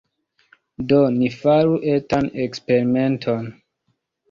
Do, ni faru etan eksperimenton.